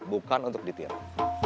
bukan untuk ditiru